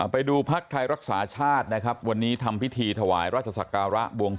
ภักดิ์ไทยรักษาชาตินะครับวันนี้ทำพิธีถวายราชศักระบวงสวง